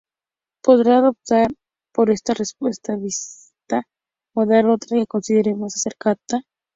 Podrá optar por esa respuesta vista o dar otra que considere más acertada.